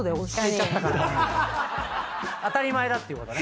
当たり前だっていうことね。